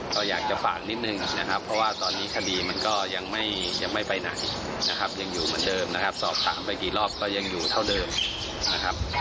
ก็อยากจะฝากนิดนึงนะครับเพราะว่าตอนนี้คดีมันก็ยังไม่ไปไหนนะครับยังอยู่เหมือนเดิมนะครับสอบถามไปกี่รอบก็ยังอยู่เท่าเดิมนะครับ